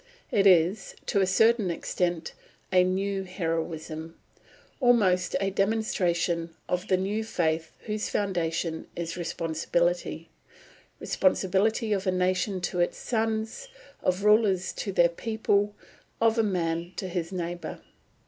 It is, to a certain extent, a new heroism, almost a demonstration of the new faith whose foundation is responsibility responsibility of a nation to its sons, of rulers to their people, of a man to his neighbour.